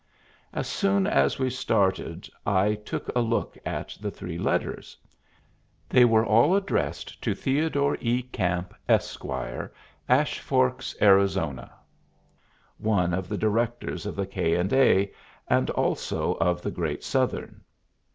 As soon as we started I took a look at the three letters. They were all addressed to Theodore E. Camp, Esq., Ash Forks, Arizona, one of the directors of the K. & A. and also of the Great Southern.